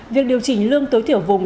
việc điều chỉnh lương tối thiểu vùng